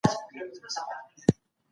پرتله کول توپيرونه څرګندوي.